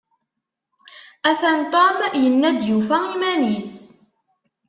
Atan Tom yenna-d yufa iman-is.